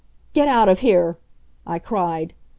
"Get out of here!" I cried.